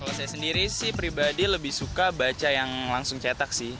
kalau saya sendiri sih pribadi lebih suka baca yang langsung cetak sih